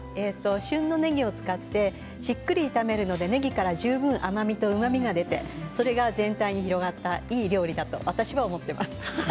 旬のねぎを使ってじっくり炒めるのでねぎから十分甘みとうまみが出てそれが全体に広がったいい料理だと私は思っています。